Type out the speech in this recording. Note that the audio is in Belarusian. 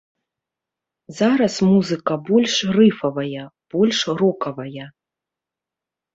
Зараз музыка больш рыфавая, больш рокавая.